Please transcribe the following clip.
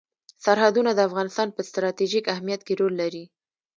سرحدونه د افغانستان په ستراتیژیک اهمیت کې رول لري.